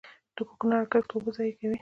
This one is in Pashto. د کوکنارو کښت اوبه ضایع کوي.